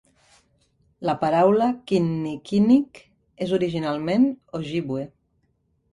La paraula kinnickinnic és originalment Ojibwe.